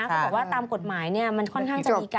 เขาบอกว่าตามกฎหมายมันค่อนข้างจะมีการ